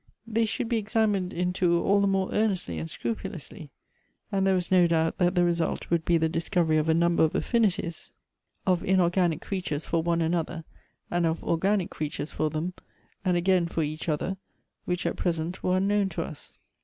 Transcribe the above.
They should be examined into all the more earnestly and scrupulously ; and there was no doubt that the result would be the discovery of a number of affinities of inorganic creatures for one another, and of org.anic creatures for them, and again for each other, which at present were unknown to us.